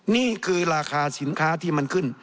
นี่คือราคาสินค้าที่มันขึ้น